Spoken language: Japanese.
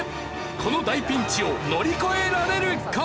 この大ピンチを乗り越えられるか？